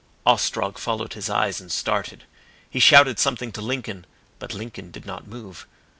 Ostrog followed his eyes and started. He shouted something to Lincoln, but Lincoln did not move.